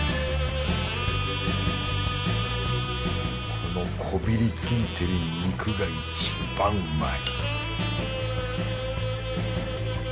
このこびりついてる肉がいちばんうまい